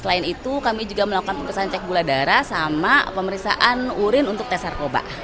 selain itu kami juga melakukan pemeriksaan cek gula darah sama pemeriksaan urin untuk tes narkoba